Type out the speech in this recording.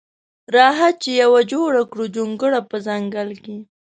راخه چی یوه جوړه کړو جونګړه په ځنګل کی.